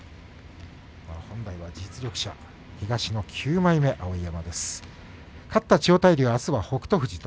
本来、実力者、東の９枚目碧山。